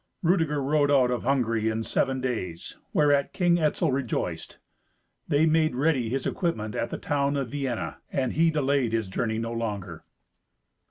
Rudeger rode out of Hungary in seven days, whereat King Etzel rejoiced. They made ready his equipment at the town of Vienna, and he delayed his journey no longer.